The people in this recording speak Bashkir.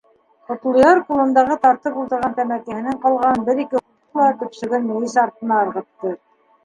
Ҡотлояр ҡулындағы тартып ултырған тәмәкеһенең ҡалғанын бер-ике һурҙы ла төпсөгөн мейес артына ырғытты.